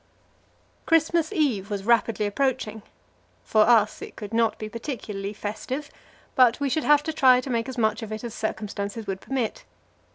Christmas Eve was rapidly approaching. For us it could not be particularly festive, but we should have to try to make as much of it as circumstances would permit.